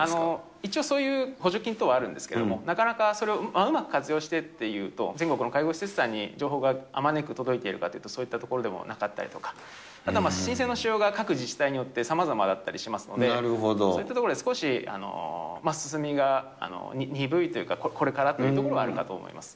一応そういう補助金等はあるんですけれども、なかなかそれをうまく活用してっていうと、全国の介護施設さんに情報があまねく届いているかというと、そういったところでもなかったりとか、申請の仕様が、各自治体によってさまざまだったりしますので、そういったところで少し、進みが鈍いというか、これからというところはあるかと思います。